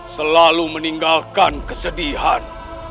selalu meninggalkan kesedihan